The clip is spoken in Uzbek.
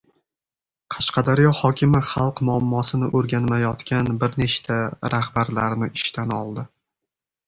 Qashqadaryo hokimi xalq muammosini o‘rganmayotgan bir nechta rahbarlarni ishdan oldi